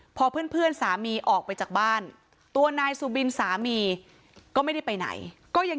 พอเพื่อนสามีออกไปจากบ้านตัวนายสุบินสามีก็ไม่ได้ไปไหนก็ยัง